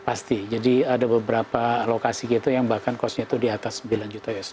pasti jadi ada beberapa lokasi gitu yang bahkan costnya itu di atas sembilan juta ya sepuluh juta